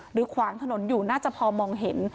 ขวางถนนอยู่น่าจะพอมองเห็น